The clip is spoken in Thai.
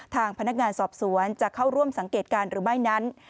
ทางพนักงานสอบสวนจะเข้าร่วมสังเกตการณ์หรือไม่นั้น